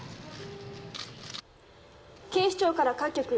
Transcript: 警視庁から各局。